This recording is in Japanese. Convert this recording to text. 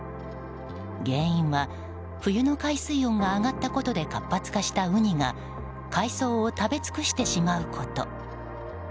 原因は、冬の海水温が上がったことで活発化したウニが海藻を食べ尽くしてしまうこと。